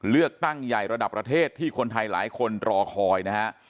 เลือกตั้งใหญ่ระดับประเทศที่คนไทยหลายคนรอคอยนะฮะ